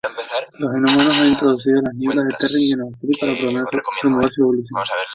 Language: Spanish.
Los Inhumanos han introducido las Nieblas de Terrigen al Kree para promover su evolución.